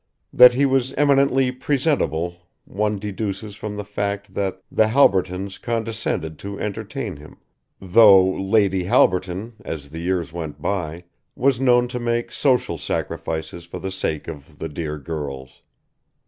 That he was eminently presentable one deduces from the fact that the Halbertons condescended to entertain him, though Lady Halberton, as the years went by, was known to make social sacrifices for the sake of the dear girls.